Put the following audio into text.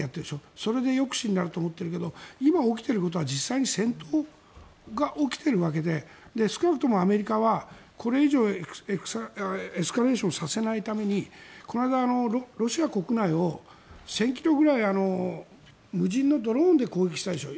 それで抑止になると思っているけど今、起きていることは実際に戦闘が起きているわけで少なくともアメリカはこれ以上エスカレーションさせないためにこの間、ロシア国内を１０００ｋｍぐらい無人のドローンで攻撃したでしょ。